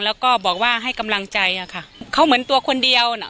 แล้วก็บอกว่าให้กำลังใจอะค่ะเขาเหมือนตัวคนเดียวน่ะ